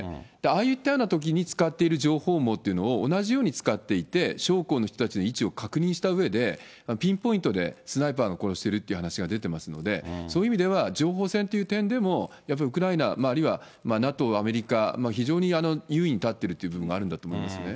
ああいったようなときに使っている情報網というのを同じように使っていて、将校の人たちの位置を確認したうえで、ピンポイントで、スナイパーが殺してるという話も出てますので、そういう意味では、情報戦という点でもやっぱりウクライナ、あるいはＮＡＴＯ、アメリカ、非常に優位に立っている部分があるんだと思いますね。